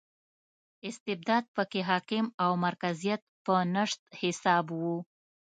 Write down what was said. استبداد په کې حاکم او مرکزیت په نشت حساب و.